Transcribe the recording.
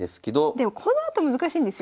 でもこのあと難しいんですよ。